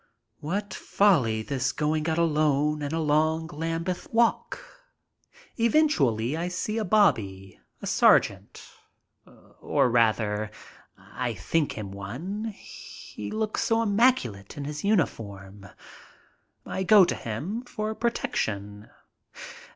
What folly this going out alone, and along Lambeth Walk! Eventually I see a bobby, a sergeant — or, rather, I think him one, he looks so immaculate in his uniform. I go to him for protection.